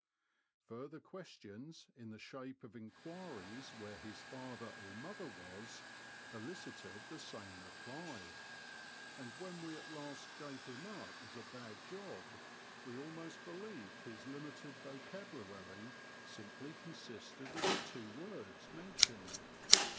Further questions, in the shape ot enquiries where his father or mother was, elicited the same reply ; and when we at last gave him up as a bad job, we almost believed his limited vocabulary simply consisted of the two words mentioned.